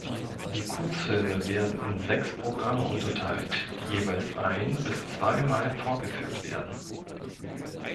Die Kurzfilme werden in sechs Programme unterteilt, die jeweils ein- bis zweimal vorgeführt werden.